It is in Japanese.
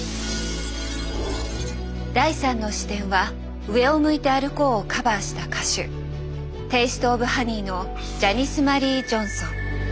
第３の視点は「上を向いて歩こう」をカバーした歌手テイスト・オブ・ハニーのジャニス・マリー・ジョンソン。